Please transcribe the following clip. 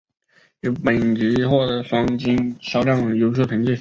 本专辑获得双白金销量优秀成绩。